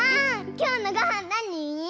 きょうのごはんなに？